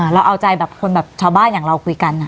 เราเอาใจแบบคนแบบชาวบ้านอย่างเราคุยกัน